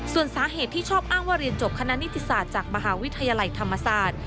ส่วนสาเหตุที่ชอบอ้างว่าเรียนจบคณะนิติศาสตร์จากมหาวิทยาลัยธรรมศาสตร์